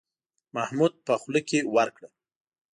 محمود په خوله کې ورکړه.